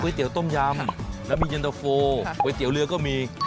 เตี๋ยต้มยำแล้วมีเย็นตะโฟก๋วยเตี๋ยวเรือก็มี